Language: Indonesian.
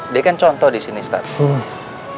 dia kan contoh disini ustadz